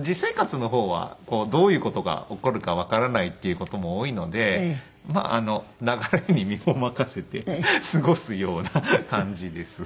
実生活の方はどういう事が起こるかわからないっていう事も多いので流れに身を任せて過ごすような感じです。